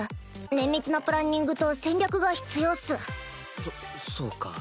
綿密なプランニングと戦略が必要っス。